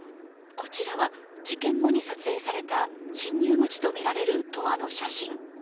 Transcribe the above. こちらは事件後に撮影された侵入口とみられるドアの写真。